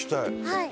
はい。